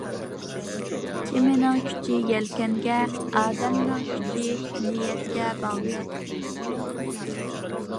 كېمىنىڭ كۈچى يەلكەنگە، ئادەمنىڭ كۈچى نىيەتكە باغلىق.